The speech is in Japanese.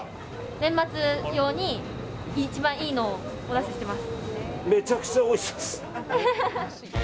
年末用に一番いいのをお出ししています。